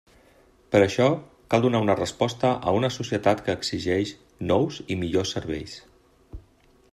Per això, cal donar una resposta a una societat que exigeix nous i millors serveis.